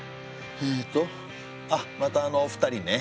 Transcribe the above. えとあっまたあのお二人ね。